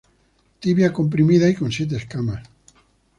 Tibia comprimida y con siete escamas.